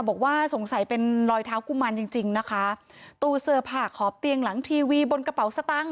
บอกว่าสงสัยเป็นรอยเท้ากุมารจริงจริงนะคะตู้เสื้อผ้าขอบเตียงหลังทีวีบนกระเป๋าสตางค